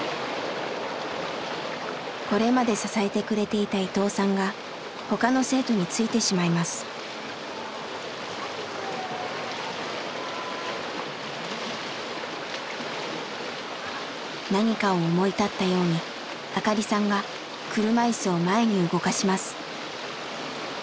これまで支えてくれていた伊藤さんが他の生徒についてしまいます。何かを思い立ったように明香里さんが車いすを前に動かします。